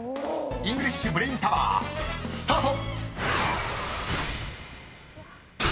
イングリッシュブレインタワースタート！］